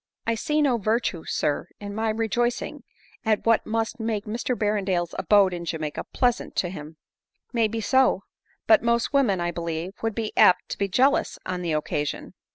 " I see no virtue, sir, in my rejoicing at what must make Mr Berrendale's abode in Jamaica pleasant to him." "May be so; but most women, I believe, would be apt to be jealous on the occasion."